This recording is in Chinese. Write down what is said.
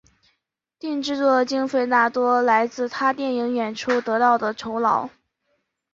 电影制作的经费大多来自他电影演出得到的酬劳。